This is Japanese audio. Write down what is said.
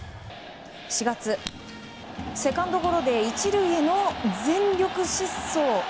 ４月、セカンドゴロで１塁への全力疾走。